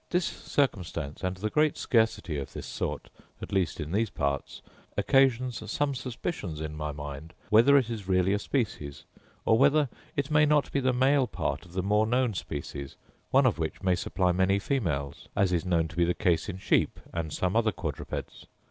This circumstance, and the great scarcity of this sort, at least in these parts, occasions some suspicions in my mind whether it is really a species, or whether it may not be the male part of the more known species, one of which may supply many females; as is known to be the case in sheep, and some other quadrupeds.